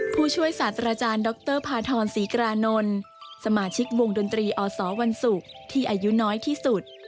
ผู้ช่วยศาสตราจารย์ดรพาทรศรีกรานนท์สมาชิกวงดนตรีอสวันศุกร์ที่อายุน้อยที่สุด